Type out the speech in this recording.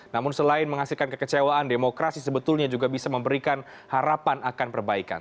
namun selain menghasilkan kekecewaan demokrasi sebetulnya juga bisa memberikan harapan akan perbaikan